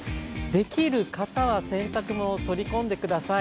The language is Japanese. できる方は洗濯物を取り込んでください。